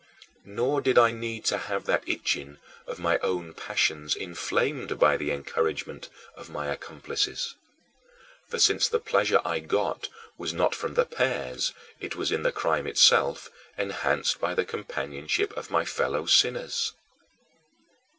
Nor did I need to have that itching of my own passions inflamed by the encouragement of my accomplices. But since the pleasure I got was not from the pears, it was in the crime itself, enhanced by the companionship of my fellow sinners.